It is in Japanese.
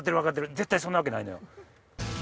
絶対そんなわけないのよ。